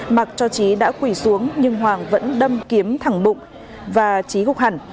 mặc cho trí đã quỷ xuống nhưng hoàng vẫn đâm kiếm thẳng bụng và trí gục hẳn